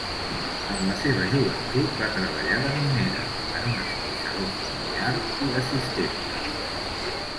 En la seva joventut va treballar de minera, en un escorxador familiar i d'assistenta.